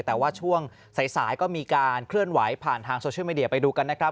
แต่ว่าช่วงสายก็มีการเคลื่อนไหวผ่านทางโซเชียลมีเดียไปดูกันนะครับ